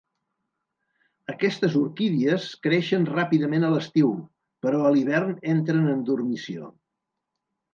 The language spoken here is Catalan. Aquestes orquídies creixen ràpidament a l'estiu, però a l'hivern entren en dormició.